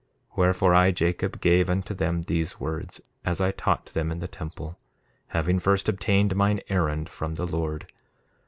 1:17 Wherefore I, Jacob, gave unto them these words as I taught them in the temple, having first obtained mine errand from the Lord.